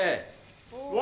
お！